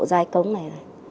giải cống này